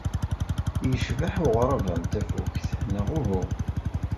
Yecbeḥ uɣrab-a n tafukt, neɣ uhu?